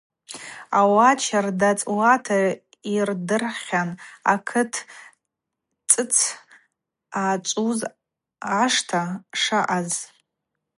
Ауат щарда цӏуата йырдырхьан акыт цӏыц ъачӏвуз ашта шаъаз.